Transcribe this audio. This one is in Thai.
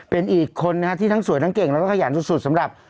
เป็นอีกคนนะฮะที่ทั้งสวยทั้งเก่งแล้วก็ขยันสุดสำหรับ